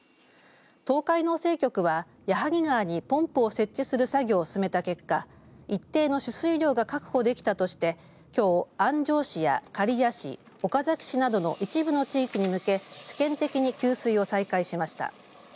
東海農政局は矢作川にポンプを設置する作業を進めた結果一定の取水量が確保できたとしてきょう、安城市や刈谷市岡崎市などの一部の地域に向け試験的に給水を再開しました。